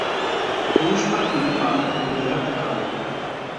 পুরুষ পাখির পা নীলাভ-কালো।